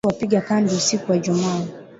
Polisi walipiga kambi usiku wa Ijumaa